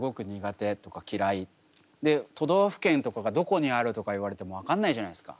で都道府県とかがどこにある？とか言われても分かんないじゃないですか。